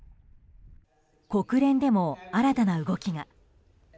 国連でも新たな動きが。